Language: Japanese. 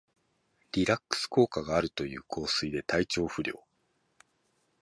リラックス効果があるという香水で体調不良